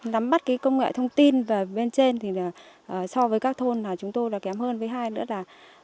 nắm bắt công nghệ thông tin và bên trên thì so với các thôn chúng tôi là kém hơn với hai nữa là